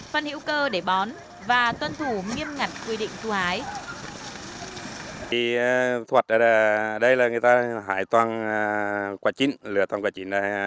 phân hữu cơ để bón và tuân thủ nghiêm ngặt quy định thu ái